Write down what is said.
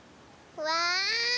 うわ。